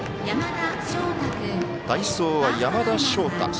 代走は山田翔太。